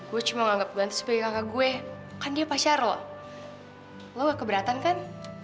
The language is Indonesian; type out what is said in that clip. gue cuma nganggep gantus bagi kakak gue kan dia pacar loh lo gak keberatan kan